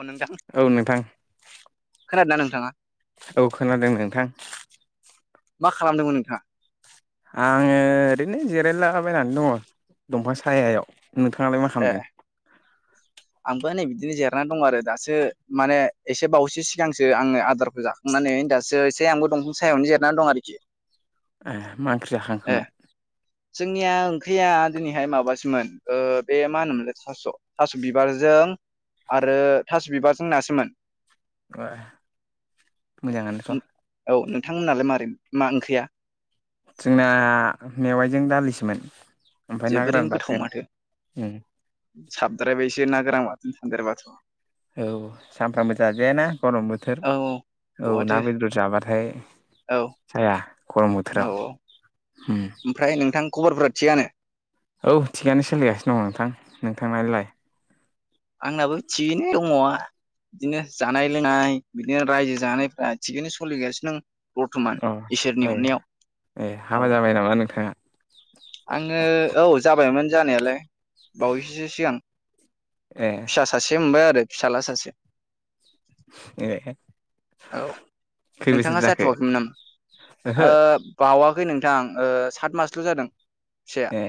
अ नोंथां औ नोंथां खोनादोंना नोंथाङा? औ खोनादों नोंथां मा खालामदोंमोन नोंथाङा आङो ओरैनो जिरायलालाबायनानै दङ दंफां सायायाव नोंथाङालाय मा ए खालामदों आंबो नै बिदिनो जेरनानै दं आरो दासो माने एसे बावैसो सिगांसो आङो आदार जाखांनानै दासो एसे आंबो दंफां सायावनो जिरनानै दं आरोखि मा ओंख्रि ए जाखांखोमोन जोंनिया ओंख्रिया दिनैहाय माबासोमोन बे मा होनोमोनलाय थास' थास' बिबारजों आरो थास' बिबारजों नासोमोन मोजाङानोथ' औ नोंथांमोनालाय माबारै मा ओंख्रिया जोंना मेवाइजों दालिसोमोन ओमफ्राय ना जोबोरैनो गोरान बाथोन साबद्रायबाय एसेो ना गोरां माथो सानदेरबाथ' औ सामफ्रामबो जाजायाना गरम बोथोर औ औ बहाथो ना बेदर जाबाथाय औ जाया गरम औ बोथोराव औ ओमफ्राय नोंथां खबरफोरा थियानो औ थिगनो सोलिगासिनो दङ नोंथां नोंथांलाय आंनाबो थिगयैनो दङआ बिदिनो जानाय लोंनाय बिदिनो रायजो जानायफ्रा थिगैनो सोलिगासिनोों बरथमान अ इसोरनि अननायाव औ जाय नामा नोंथाङा आङो औ जाबायमोन जानायालाय बावैसोसो सिगां ए फिसा सासे मोनबाय आरो फिसाजला सासे बिे औ नोंथाङा जाथ'वाखैमोन नामा ओहो बावाखै नोंथां सात मासल' जादोंह फिसाया ए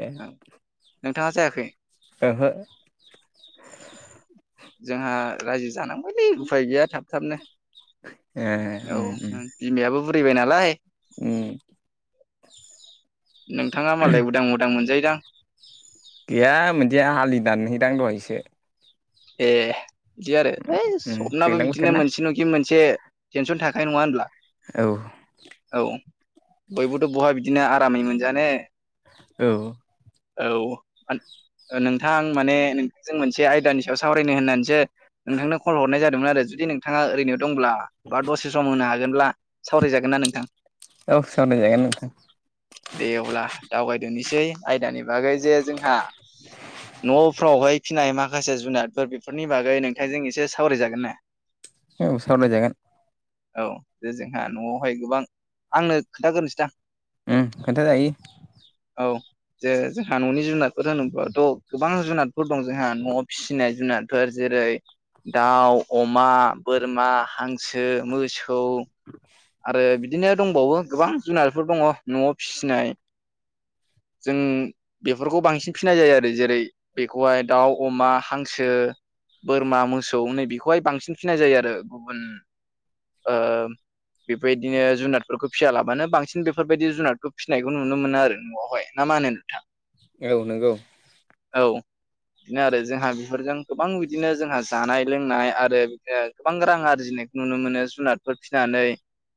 ए औ नोंथाङा जायाखै ओहो जोंहा रायजो जानांगबायलै उफाय गैया थाब थाबनो ए औ उम बिमायाबो बुरिबाय नालाय ओम नोंथाङा मालाय उदां उदां मोनजायोदां गैया मोनदिया हालि दानहैदां दहायसो ए बिदि आरो ओइ उम सपनाबो दैज्लां बोथोर बिदिनो ना मोनसे न'खि मोनसे टेनसन थाखायानाय नङा होनब्ला औ औ बयबोथ' बहा बिदिनो आरामै मोनजा नो औ औ नोंथां माने नोंथांजों मोनसे आयदानि बेयाव सावरायनो होननानैसो नोंथांनो कल हरनाय जादोंमोन आरो जुदि नोंथाङा ओरैनो दंब्ला बा दसे सम होनो हागोनब्ला सावरायजागोन नना नोंथां औ सावरायजायगोन नथां दे अब्ला दावगायदोननोसै आयदानि बागै जे जोंहा न'फ्रावहाय फिनाय माखासे जुनारफोर बेफोरनि बागै नोंथांजों एसे सावरायजागोन ने सावलाय जागोन औ दे जोंहा न'आवहाय गोबां आंनो खोनथागोरोनोसै दां उम खोन्थाजायो औ जे जोंहा न'नि जुनारफोर होनोब्लाथ' गोबां जुनारफोर दं जोंहा न'आव फिसिनाय जुनादफोर जेरै दाउ अमा बोरमा हांसो मोसौ [inaudible] आरो बिदिनो दंबावो गोबां जुनारफोर दङ न'आव फिसिनाय जों बेफोरखौ बांसिन फिनाय जायो आरो जेरै बेखौहाय दाउ अमा हांसो बोरमा मोसौ नै बेेखौहाय बांसिन फिनाय जायो आरो गुबुन बेबायदिनो जुनादफोरखौ फियालाबानो बांसिन बेफोरबायदि जुनादखौ फिसिनायखौ नुनो मोनो आरो न'आवहाय ना मा होनो नोंथां औ नंगौ औ बिदिनो आरो जोंहा बेफोरजों गोबां बिदिनो जोंहा जानाय लोंनाय आरो बिदिनो गोबां रां आरजिनायखौ नुनो मोनो जुनादफोर फिसिनानै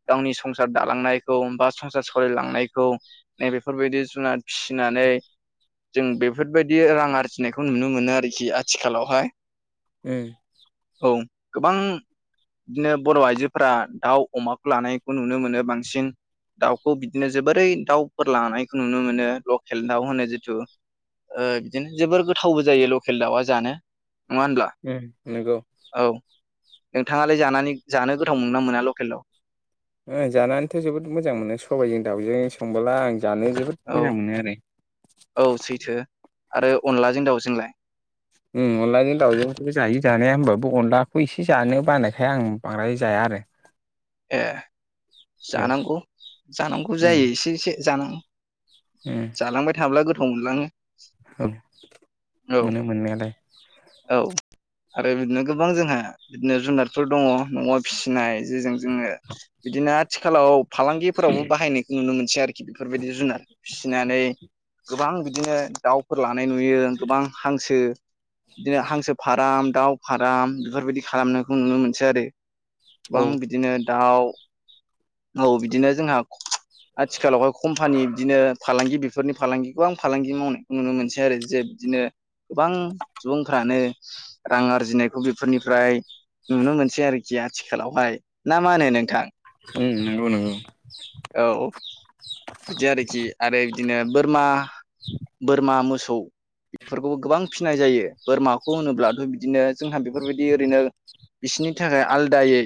गावनि संसार दालांनायखौ बा संसार साललिलांनायखौ नै बेफोरबायदि जुनाद फिसिनानै जों बेफोरबायदि बे रां आरजिनायखौ नुनो मोनो आरो खि आथिखालावहाय उम औ गोबां बिदिनो बर' आइजोफोरा दाउ, अमाखौ लानायखौ नुनो मोनो बांसिन दाउखौ बिदिनो जोबोरै दाउफोर लानायखौ नुनो मोनो लकेल दाउ होनो जिथु ओ बिदिनो जोबोर गोथावबो जायो लकेल दाउआ जानो नङा होनब्ला उम नंगौ औ नोंथाङालाय जानानै जानो गोथाव मोनंना मोना लकेलाव ओ जानानैथ' जोबोद मोजां मोनो सबायाइजों दाउजों संबोला आं जानो जोबोद औ मोजां मोनो आरो औ सैथो आरो अनलाजों दाउजोंलाय अनलाजों दाावजों जायो जानाया होमबाबो अनलाखौ इसे जानो बानायखाय आं बांद्राय जाया आरो ए औ जानांगौ जानांगौ जायो उम एसे एसे जानौ उम जालांबाय थाब्ला गोथाव मोनलाङो औ औ मोनो मोननायालाय औ आरो बिदिनो गोबां जोंहा बिदिनो जुनारफोर दङ न'आव फिसिनाय जेजों जोङो बिदिनो आथिखालाव फालांगिफोरावबो बाहायनायखौ नुनो मोनसै आरोखि बेफोरबायदि जुनार फिसिनानै गोबां बिदिनो दाउ फोर लानाय नुयो गोबां हांसो बिदिनो हांसो फार्म दाउ फार्म बेफोरबायदि खालामनायखौ नुनो मोनसै आरो औ गोबां बिदिनो दाउ औ बिदिनो जोंहा आथिखालावहाय कम्पानि बिदिनो फालांगि बेफोरनि फालांगिखौ आं फालांगि मावनायखौ नुनो मोनसै आरो जे बिदिनो गोबां सुबुंफ्रानो, रां आरजिनायखौ बेफोरनिफ्राय नुनो मोनसै आरोखि आथिखालावहाय। ना मा होनो नोंथां? उम नंगौ नंगौ औ बिदि आरोखि आरो बिदिनो बोरमा, बोरमा, मोसौ बेफोरखौबो गोबां फिसिनाय जायो। बोरमाखौ होनोब्लाथ' बिदिनो जोंहा बेफोरबायदि ओरैनो बिसिनि थाखाय आलादायै,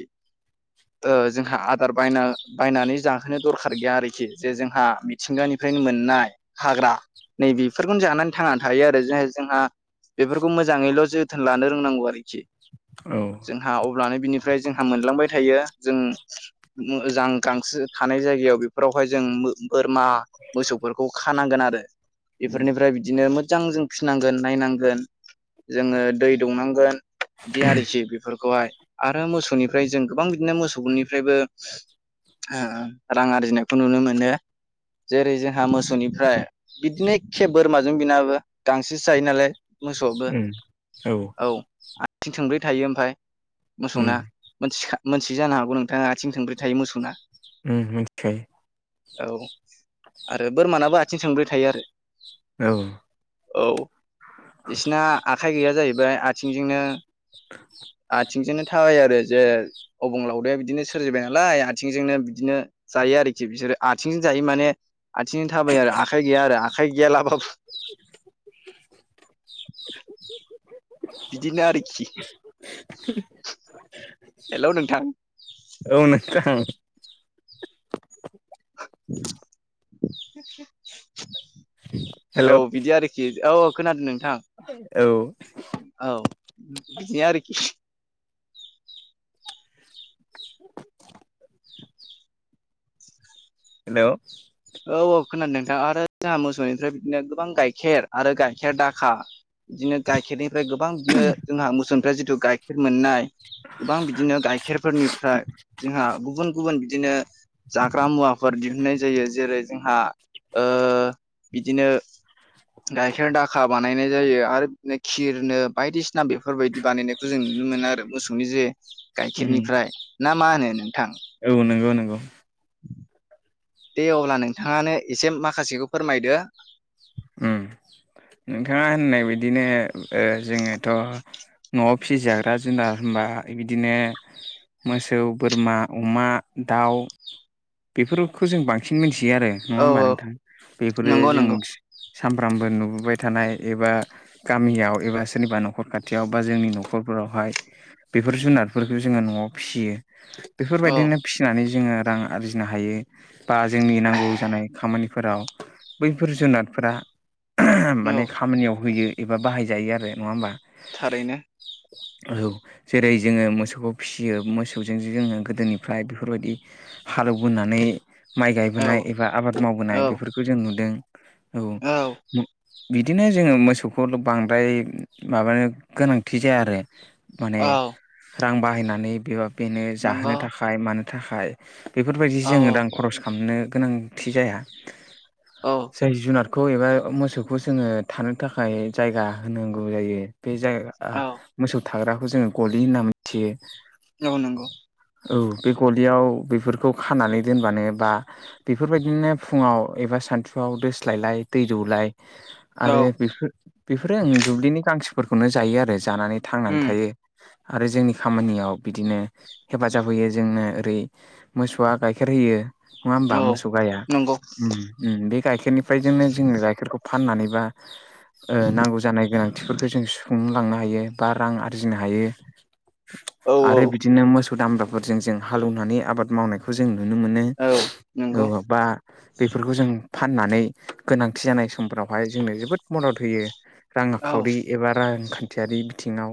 ओ जोंहा बायना बायनानै जाहोनो दरखार गैया आरोखि जे जोंहा मिथिंगानिफ्रायनो मोननाय, हाग्रा नै बेेफोरखौनो जानानै थांना थायो आरो ज जोंहा, बेफोरखौ मोजाङैल' जोथोन लानो रोंनांगौ आरोखि। औ। जोंहा अब्लानो बिनिफ्राय जोंहा मोनलांबाय थायो जों, मोजां गांसो थानाय जायगायाव बेफोरावहाय जों बोरमा, मोसौफोरखौ खानांगोन आरो उम बेफोरनिफ्राय बिदिनो मोजां जों फिसिनांगोन नायनांगोन, जोङो दै दौनांगोन बिदि आरोखि बेफोरखौहाय। आरो मोसौनिफ्राय जों गोबां बिदिनो मोसौफोरनिफ्रायबो, रां आरजिनायखौ नुनो मोनो। जेरै जोंहा मोसौनिफ्राय बिदिनो एखे बोरमाजों बिनाबो गांसोसो जायो नालाय मोसौबो उम औ आथिं थंब्रै थायो ओमफफ्राय उम मोसौना मोनखा मोनथि जानो हागौ नोंथाङा आथिं थंब्रै थायो मोसौना। उम मिथिखायो, औ आरो बोरमानाबो आथिं सोंबबाय थायो आरो औ औ। बिसिना आखाइ गैया जाहैबाय आथिंजोंनो, आथिंजोंनो थाबाय आरो जे अबंलावदायाया बिदिनो सोरजिबाय नालाय आथिंजोंनो बिदिनो जायो आरोखि बिसोरो आथिंजों जायो माने आथिंजों थाबाय आरो आखाइ गैया आरो आखाइ गैयालाबाबो, बिदिनो आरोखि, [inaudible] हेल' नोंथां, औ नोंथां हेलौ औ बिदि आरोखि, औ औ खोनादों नोंथां, औ औ बिदिनो आरोखि, हेल' औ औ खोनादों नोंथां आरो जोंहा मोसौनिफ्राय बिदिनो गोबां गाइखेर आरो गाइखेर दाखा, बिदिनो गाइखेरनिफ्राय गोबां बिदिनो जोंहा मोसौफ्रा जिथु गाइखेर मोननाय, गोबां बिदिनो गाइखेरफोरनिफ्राय जोंहा गुबुन गुबुन बि, बिदिनो जाग्रा मुवा, फोर दिहुननाय जायो जेरै जोंहा बिदिनो, गाइखेर दाखा बानायनाय जायो आरो बिदिनो खिरनो बायदिसिना बेफोरबायदि बानायनाय, जों नुनो मोनो आरो मोसौनि जे उम गाइखेरनिफ्राय ना मा होनो नोंथां, औ नंगौ नंगौ, दे अब्ला नोंथाङानो एसे माखासेखौ फोरमायदो। नोंथाङा होननाय बदिनो जोङोथ', न'आव फिसिजाग्रा जुनार होनबा बिदिनो, मोसौ, बोरमा, अमा, दाउ। बेफोरखौ जों बांसिन मिथियो आरो नङा औ होमबा औ नोंथां बेफोरो नंगौ जों, नंगौ सामफ्रामबो नुबोबाय थानाय एबा गामियाव एबा सोरनिबा न'खर खाथियाव बा जोंनि न'खरफोरावहाय बेफोर जुनारफोरखौ जोङो न'आव फिसियो औ बेफोरबायदिनो फिसिनानै जोङो रां आरजिनो हायो बा जोंनि नांगौ जानाय खामानिफोराव बैफोर जुनारफोरा औ माने खामानियाव होयो एबा बाहायजायो आरो नङा होमबा थारैनो औ जेरै जोङो मोसौखौ फिसियो मोसौजों जोङो गोदोनिफ्राय बेफोरबायदि हालौवबोनानै माइ औ गायबोनाय एबा आबाद मावबोनाय औ बेफोरखौ जों नुदों औ बिदिनो जोङो मोसौखौ' बांद्राय माबानो गोनांथि जाया आरो माने औ रां बाहायनानै बेब बेनो जाहोनो नंगौ थाखाय मानो थाखाय बेफोरबायदि औ जोङो औ रां खरस खालामनो गोनांथि जाया औ जाय जुनारखौ एबा मोसौखौ जोङो थानो थाखाय जायगा होनांगौ जायो बे जायग औ मोसौ थाग्राखौ जोङो गलि होनना मिथियो औ नंगौ औ बे गलियाव बेफोरखौ खानानै दोनबानो बा बेफोरबायदिनो फुङाव एबा सानथुआव दोस्लायलाय दै दौलाय औ आरो बेफोर बेफोरो आं दुब्लिनि गांसोफोरखौनो जायो आरो जानानै थांनानै उम थायो आरो जोंनि खामानियाव बिदिनो हेफाजाब होयो जोंनो ओरै मोसौआ गाइखेर होयो नङा होमबा औ मोसौ गाया नंगौ उम उम बे गाइखेरनिफ्राय जोंनो जोङो गाइखेरखौ फाननानै बा ओ नांगौ जानाय गोनांथिफोरखौ जों सुफुंनो लांनो हायो बा रां आरजिनो हायो औ औ आरो बिदिनो मोसौ दामब्राफोरजों जों हालेवनानै आबाद मावनायखौ जों नुनो मोनो औ नंगौ औ बा बेफोरखौ जों फाननानै गोनांथि जानाय समफोरावहाय जोंनो जोबोद मदद होयो रां औ खावरि एबा रांखान्थियारि बिथिङाव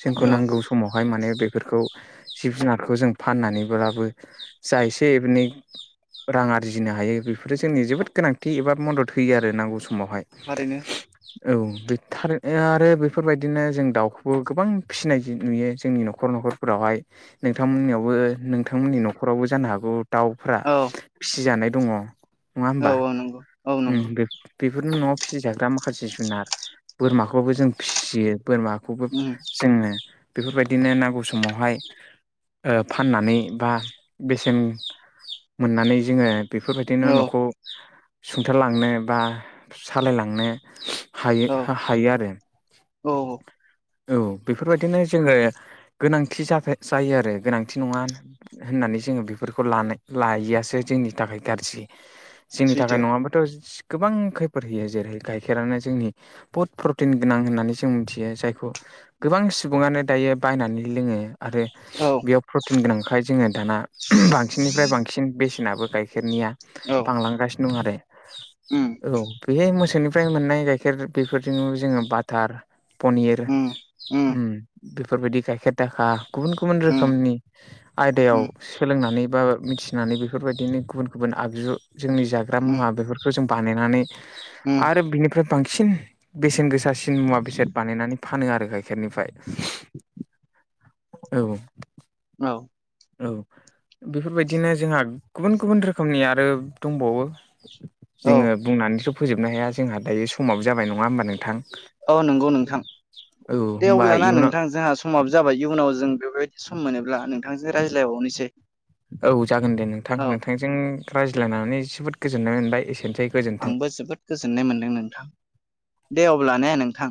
जोंखौ औ नांगौ समावहाय माने बे बेफोरखौ जिब जुनारखौ जों फाननानैब्लाबो जा एसे एनै रां आरजिनो हायो बेफोरो जोंनि जोबोद गोनांथि एबा मदद होयो आरो नांगौ समावहाय थारैनो औ थ आरो बेफोरबायदिनो जों दाउखौबो गोबां फिसिनाय नुयो जोंनि न'खर न'खर फोरावहाय नोंथांमोननियावबो नोंथांमोननि न'खरावबो जानो हागौ दाउफ्रा औ फिसिजानाय दङ नङा औ होमबा! औ नंगौ औ उम नंगौ बे बेफोरनो न'आव फिसिजाग्रा माखासे जुनार बोरमाखौबो जों फिसियो बोरमा खौबो उम जोंङनो बेफोरबायदिनो नांगौ समावहाय फाननानै बा बेसेन मोननानै जोङो बेफोरबायदिनो औ न'खौ सुंथालांनो बा सालायलांनो हायो औ हायो आरो औ औ बेफोरबायदिनो जोङो गोनांथि जायो आरो गोनांथि नङा होननानै जोङो बेफोरखौ लानाय लायैयासो जोंनि थाखाय गाज्रि जोंनि थाखाय सैथो नङाबा थ' गोबां खैफद होयो जेरै गाइखेरानो जोंनि बहुद प्रटिन गोनां होननानै जों मिथियो जायखौ गोबां सुबुङानो दायो बायनानै लोङो आरो औ बेयाव प्रटिन गोनांखाय जोङो दाना बांसिननिफ्राय बांसिन बेसेनाबो गाइखेरनिया औ बांलांगासिनो दं आरो उम औ बेहाय मोसौनिफ्राय मोननाय गाइखेर बेफोरजों जोङो बाटार पनिर उम बेफोरबायदि गाइखेर दाखा गुबुन गुबुन उम रोखोमनि आयदायाव उम सोलोंनानै बा मिथिनानै बेफोरबायदिनो गुबुन गुबुन आगजु जोंनि जाग्रा उम मुवा बेफोरखौ जों बानायनानै उम आरो बिनिफ्राय बांसिन बेसेन गोसासिन मुवा बेसाद बानायनानै फानो आरो गाइखेरनिफ्राय औ औ औ बेफोरबायदिनो जोंहा गुबुन गुबुन रोखोमनि आरो दंबावो। औ जोङो बुंनानैथ' फोजोबनो हाया जोंहा दायो समाबो जाबाय नङा होमबा नोंथां? औ नंगौ नोंथां औ दे होमबा अब्लाना नोंथां इयुनाव जोंहा स समाबो जाबाय इयुनाव जों बेफोरबायदि सम मोनोब्ला नोंथांजों रायज्लायबावनोसै। औ जागोन दे नोंथां औ नोंथांजों रायज्लायनानै जोबोद गोजोननाय मोनबाय एसेनोसै। गोजोन्थों आंबो जोबोद गोजोननाय मोनदों नोंथां दे अब्ला ने नोंथां